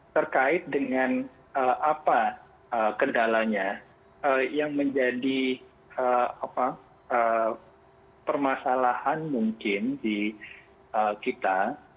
terkait dengan apa kendalanya yang menjadi permasalahan mungkin di kita